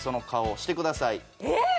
えっ。